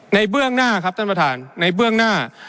ในเบื้องหน้าครับท่านประธาน